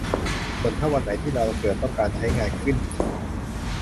ส่วนถ้าวันไหนที่เราเกิดต้องการใช้งานขึ้นจริง